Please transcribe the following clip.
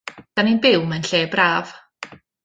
'Dan i'n byw mewn lle braf.